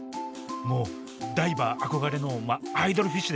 もうダイバー憧れのアイドルフィッシュですね。